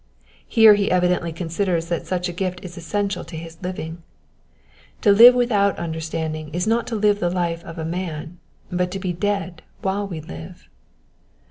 Here he evidently considers that such a gift is essential to his living. To live without understanding is not to live the life of a man, but to be dead while we live.